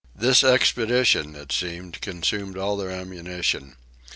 This expedition it seems consumed all their ammunition.